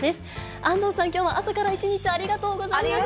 安藤さん、きょうは朝から一日、ありがとうございました。